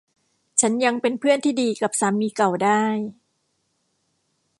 ฉันยังเป็นเพื่อนที่ดีกับสามีเก่าได้